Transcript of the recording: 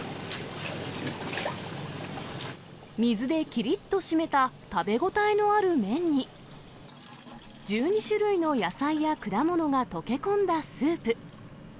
水できりっと締めた食べ応えのある麺に、１２種類の野菜や果物が溶け込んだスープ。